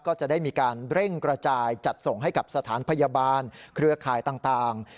ก็จะได้มีการเร่งกระจายจัดส่งให้กับสถานพยาบาลเครือข่ายต่าง